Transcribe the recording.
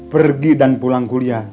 pergi dan pulang kuliah